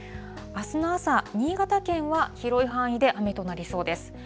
あすの朝、新潟県は広い範囲で雨となりそうです。